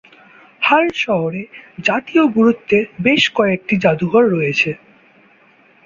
হাল শহরে জাতীয় গুরুত্বের বেশ কয়েকটি জাদুঘর রয়েছে।